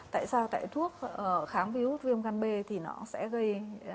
tại sao tại thuốc kháng viếu hút viêm ngăn bê thì nó sẽ gây